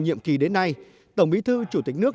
nhiệm kỳ đến nay tổng bí thư chủ tịch nước